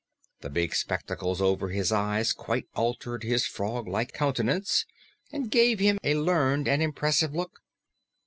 The big spectacles over his eyes quite altered his froglike countenance and gave him a learned and impressive look.